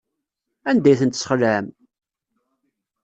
Anda ay tent-tesxelɛem?